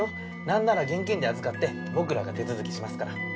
何なら現金で預かって僕らが手続きしますから。